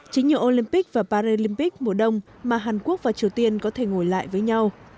chính nhờ olympic và paralympic mùa đông mà hàn quốc và triều tiên có thể ngồi lại với nhau